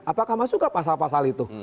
apakah masuk ke pasal pasal itu